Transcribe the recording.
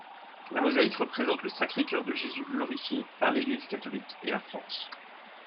La mosaïque représente le Sacré-Cœur de Jésus glorifié par l’Église catholique et la France.